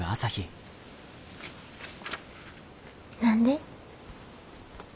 何で？